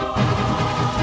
araku selam semuanya